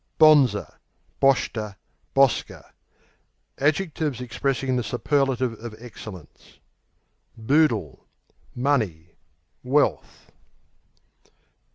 Bonzer, boshter, bosker Adjectives expressing the superlative of excellence. Boodle Money; wealth.